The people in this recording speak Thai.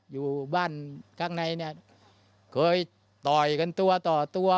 อยู่บ้านข้างในเนี่ยเคยต่อยกันตัวต่อตัว